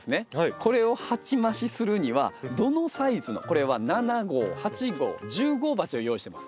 これを鉢増しするにはどのサイズのこれは７号８号１０号鉢を用意してます。